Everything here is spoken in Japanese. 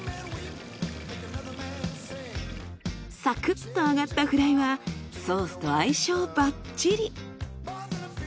サクッと揚がったフライはソースと相性バッチリ。